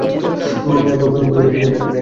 এরপর প্রথম পুরুষে একটি প্রার্থনা প্রদত্ত হয়েছে।